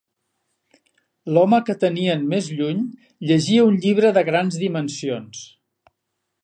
L'home que tenien més lluny llegia un llibre de grans dimensions.